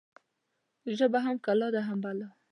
ژبه هم کلا ده هم بلا.